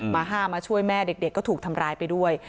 มาห้ามมาช่วยแม่เด็กก็ถูกทำร้ายไปด้วย